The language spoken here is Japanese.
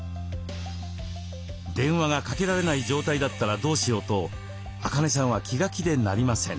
電話がかけられない状態だったらどうしようとアカネさんは気が気でなりません。